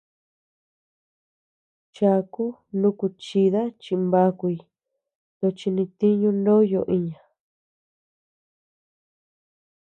Chaku nuku chida chimbaukuñ tochi nituñu ndoyo iña.